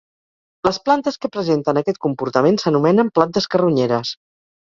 Les plantes que presenten aquest comportament s'anomenen plantes carronyeres.